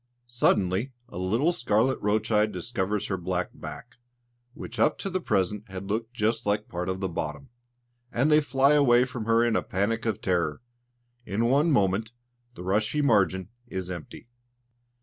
Suddenly a little scarlet roach eye discovers her black back, which up to the present had looked just like part of the bottom, and they fly away from her in a panic of terror. In one moment the rushy margin is empty.